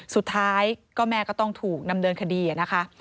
สุดท้ายก็แม่ก็ต้องถูกดำเนินคดีนะคะ